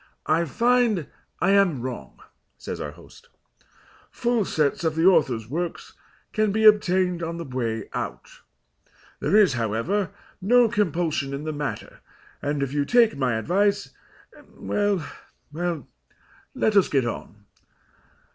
"I find I am wrong," says our host. "Full sets of the author's works can be obtained on the way out. There is, however, no compulsion in the matter, and, if you take my advice well, well, let us get on.